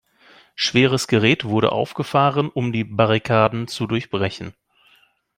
Schweres Gerät wurde aufgefahren, um die Barrikaden zu durchbrechen.